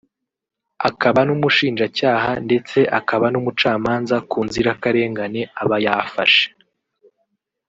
akaba n’umushinjacyaha ndetse akaba n’umucamanza ku nzirakarengane aba yafashe